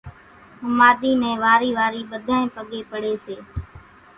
ۿماۮِي نين وارِي وارِي ٻڌانئين پڳين پڙي سي